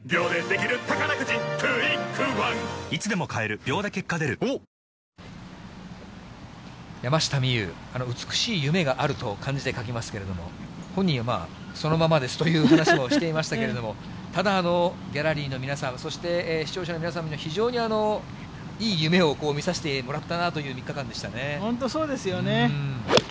ただこの、やはり距離が出る選手の、ギャラリーとしても、山下美夢有、美しい夢が有ると、漢字で書きますけれども、本人はそのままですという話もしていましたけれども、ただ、ギャラリーの皆さん、そして、視聴者の皆様の非常に、いい夢を見させてもらったなという３日間でしたね。